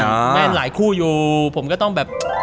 แม่นหลายคู่อยู่ผมก็ต้องแบบ